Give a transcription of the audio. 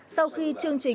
sau khi chương trình